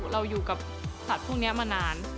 เราอยู่กับสัตว์พวกนี้มานาน